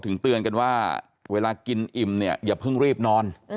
เข้าบ้านก็อยู่สี่คน